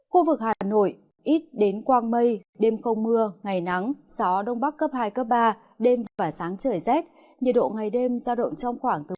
khu vực hà nội ít đến quang mây đêm không mưa ngày nắng gió đông bắc cấp hai cấp ba đêm và sáng trời rét nhiệt độ ngày đêm ra động trong khoảng từ một mươi bốn hai mươi bảy độ